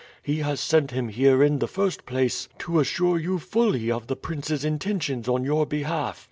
He has sent him here in the first place to assure you fully of the prince's intentions on your behalf.